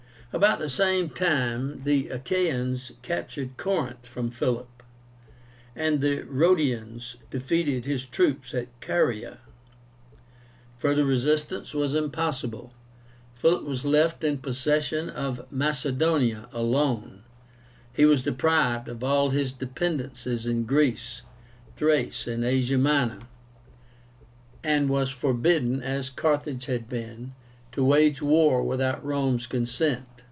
About the same time the Achaeans captured CORINTH from Philip, and the Rhodians defeated his troops in Caria. Further resistance was impossible. Philip was left in possession of Macedonia alone; he was deprived of all his dependencies in Greece, Thrace, and Asia Minor, and was forbidden, as Carthage had been, to wage war without Rome's consent.